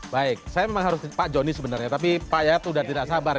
baik saya memang harus pak joni sebenarnya tapi pak yayat sudah tidak sabar